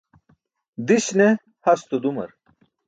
Diś ne hasto dumar.